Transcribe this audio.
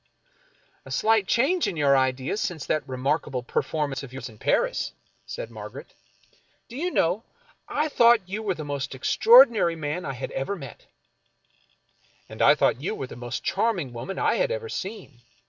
" A slight change in your ideas since that remarkable per formance of yours in Paris," said Margaret. " Do you know, I thought you were the most extraordinary man I had ever met." " I thought you were the most charming woman I had ever seen.